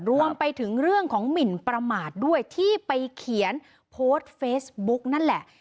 รวมถึงเรื่องของหมินประมาทด้วยที่ไปเขียนโพสต์เฟซบุ๊กนั่นแหละ